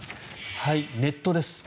ネットです。